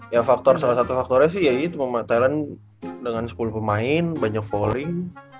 ya faktor salah satu faktornya sih ya thailand dengan sepuluh pemain banyak falling